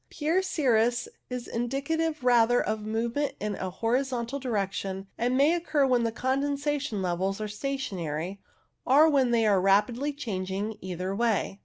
Pure cirrus is indicative rather of movement in a horizontal direc tion, and may occur when the condensation levels are stationary, or when they are rapidly changing either way.